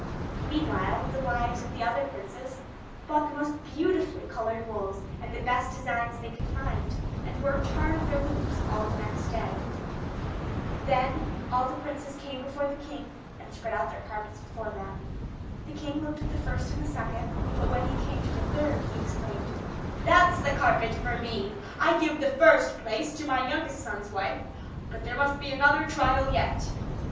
Meanwhile the wives of the other princes bought the most beautifully coloured wools, and the best designs they could find, and worked hard at their looms all the next day. Then all the princes came before the king, and spread out their carpets before him. The king looked at the first and the second; but when he came to the third, he exclaimed: "That's the carpet for me! I give the first place to my youngest son's wife; but there must be another trial yet."